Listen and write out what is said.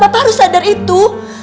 papa harus sadar itu